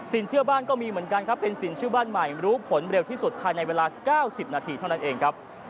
เชื่อบ้านก็มีเหมือนกันครับเป็นสินเชื่อบ้านใหม่รู้ผลเร็วที่สุดภายในเวลา๙๐นาทีเท่านั้นเองครับ